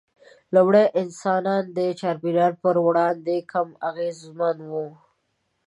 لومړني انسانان د چاپېریال پر وړاندې کم اغېزمن وو.